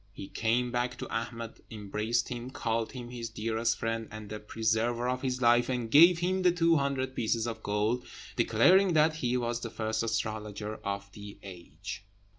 He came back to Ahmed, embraced him, called him his dearest friend and the preserver of his life, and gave him the two hundred pieces of gold, declaring that he was the first astrologer of the age.